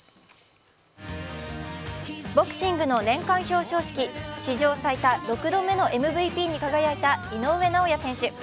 ボクシングの年間表彰式、史上最多６度目のＭＶＰに輝いた井上尚弥選手。